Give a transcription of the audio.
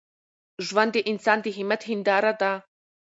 ژوند د انسان د همت هنداره ده.